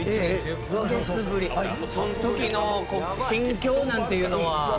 そのときの心境なんていうのは？